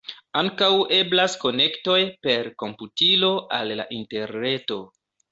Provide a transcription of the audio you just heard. Ankaŭ eblas konektoj per komputilo al la interreto.